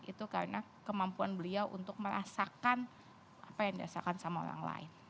itu karena kemampuan beliau untuk merasakan apa yang dirasakan sama orang lain